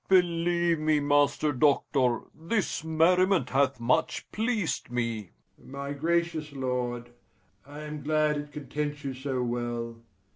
Believe me, Master Doctor, this merriment hath much pleased me. FAUSTUS. My gracious lord, I am glad it contents you so well.